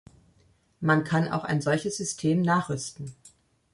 Man kann auch ein solches System nachrüsten.